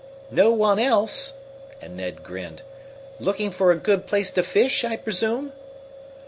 "No one else;" and Ned grinned. "Looking for a good place to fish, I presume?"